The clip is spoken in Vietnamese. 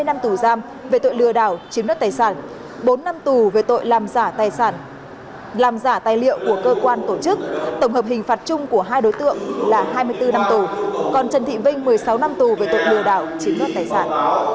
hai mươi năm tù giam về tội lừa đảo chiếm đất tài sản bốn năm tù về tội làm giả tài sản làm giả tài liệu của cơ quan tổ chức tổng hợp hình phạt chung của hai đối tượng là hai mươi bốn năm tù còn trần thị vinh một mươi sáu năm tù về tội lừa đảo chiếm đoạt tài sản